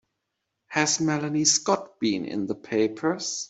Has Melanie Scott been in the papers?